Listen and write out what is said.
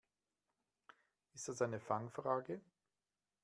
Ist das eine Fangfrage?